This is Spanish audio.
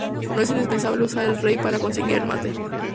No es indispensable usar el rey para conseguir al mate.